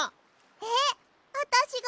えっあたしが？